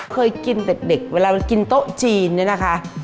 เคยกินแต่เด็กเวลากินโต๊ะจีนเนี่ยนะคะ